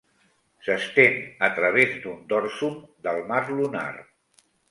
S'estén a través d'un dorsum del mar lunar.